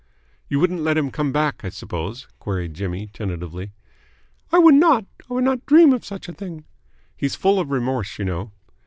"You wouldn't let him come back, I suppose?" queried Jimmy tentatively. "I would not. I would not dream of such a thing." "He's full of remorse, you know."